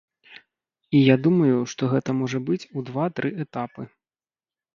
І я думаю, што гэта можа быць у два-тры этапы.